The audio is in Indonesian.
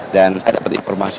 dan saya dapat informasi